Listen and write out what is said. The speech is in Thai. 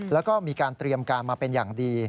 แล้วก็มีการเตรียมการมาเป็นอย่างดี